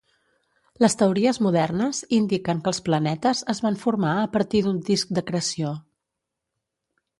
Les teories modernes indiquen que els planetes es van formar a partir d'un disc d'acreció.